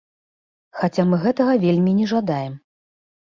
Хаця мы гэтага вельмі не жадаем.